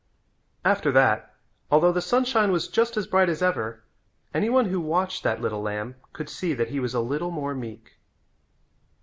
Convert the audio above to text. After that, although the sunshine was just as bright as ever, any one who watched that little lamb could see that he was a little more meek.